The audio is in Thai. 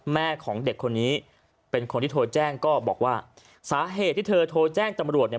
แม่ของเด็กคนนี้เป็นคนที่โทรแจ้งก็บอกว่าสาเหตุที่เธอโทรแจ้งตำรวจเนี่ย